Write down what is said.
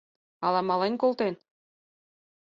Ала мален колтен?